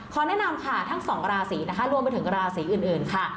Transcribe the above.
แนะนำค่ะทั้งสองราศีนะคะรวมไปถึงราศีอื่นค่ะ